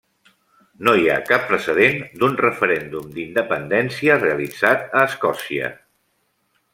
No hi ha cap precedent d'un referèndum d'independència realitzat a Escòcia.